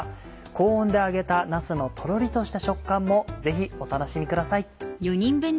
高温で揚げたなすのとろりとした食感もぜひお楽しみください。